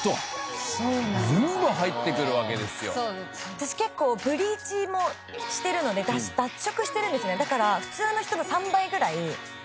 私結構ブリーチもしているので脱色しているんですねだから。